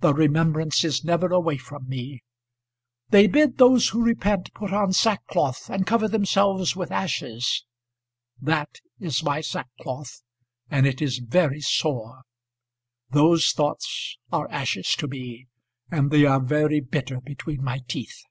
The remembrance is never away from me. They bid those who repent put on sackcloth, and cover themselves with ashes. That is my sackcloth, and it is very sore. Those thoughts are ashes to me, and they are very bitter between my teeth."